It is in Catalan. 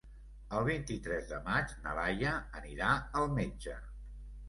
El vint-i-tres de maig na Laia anirà al metge.